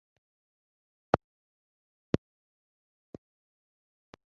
kubyina hakurya y'imisozi ku kwezi